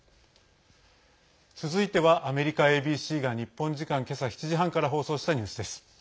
続いてはアメリカＡＢＣが日本時間、今朝７時半から放送したニュースです。